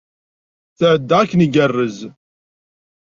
Tɛedda akken igerrez.